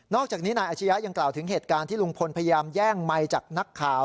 อกจากนี้นายอาชียะยังกล่าวถึงเหตุการณ์ที่ลุงพลพยายามแย่งไมค์จากนักข่าว